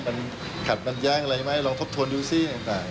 มันขัดมันแย้งอะไรไหมลองทบทวนดูซิ